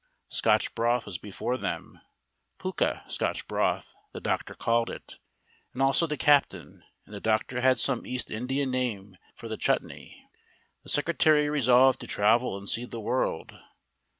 Scotch broth was before them pukka Scotch broth, the doctor called it; and also the captain and the doctor had some East Indian name for the chutney. The secretary resolved to travel and see the world.